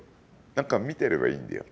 なんか見てればいいんだよ。